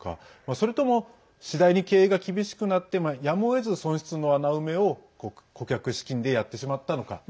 それとも次第に経営が厳しくなってやむをえず損失の穴埋めを顧客資金でやってしまったのか。